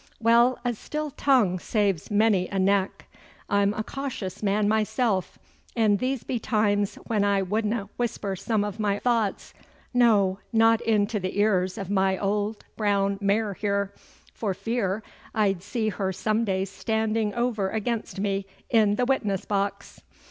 'Well, a still tongue saves many a neck. I'm a cautious man myself, and these be times when I wouldna whisper some o' my thoughts no, not into the ears o' my old brown mare here for fear I'd see her some day standing over against me in the witness box.